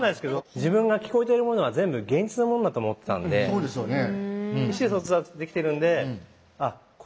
そうですよね。